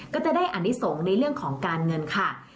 ก็จะได้อนิสงฆ์ในเรื่องของการเงินค่ะ